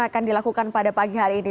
akan dilakukan pada pagi hari ini